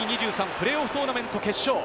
プレーオフトーナメント決勝。